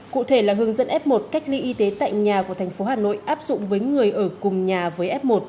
cụ thể là hướng dẫn f một cách ly y tế tại nhà của thành phố hà nội áp dụng với người ở cùng nhà với f một